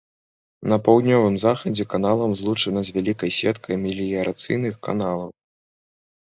На паўднёвым захадзе каналам злучана з вялікай сеткай меліярацыйных каналаў.